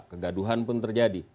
kegaduhan pun terjadi